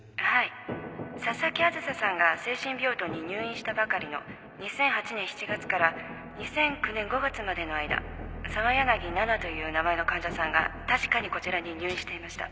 紗崎梓さんが精神病棟に入院したばかりの２００８年７月から２００９年５月までの間澤柳菜々という名前の患者さんが確かにこちらに入院していました